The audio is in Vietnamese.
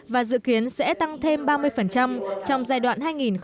và dự kiến sẽ tăng thêm ba mươi trong giai đoạn hai nghìn hai mươi một hai nghìn hai mươi năm